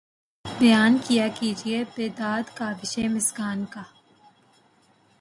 بیاں کیا کیجیے بیداد کاوش ہائے مژگاں کا